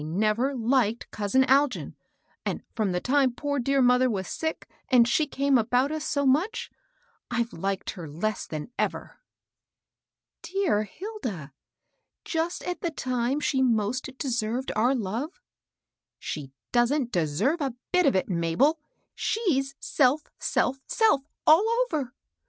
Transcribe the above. never liked •ousin Algin ; and from the time poor dear mother was sick, and she came about us so much, I've liked her less than ever." ^^ Dear Hilda ! just at the time she most de served our love/ " She don't deserve a bit of it, Mabel ; she's self, self, self, all over.